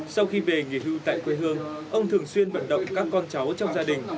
sau khi về nghỉ hưu tại quê hương ông thường xuyên vận động các con cháu trong gia đình